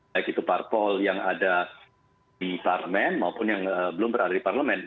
baik itu parpol yang ada di parlemen maupun yang belum berada di parlemen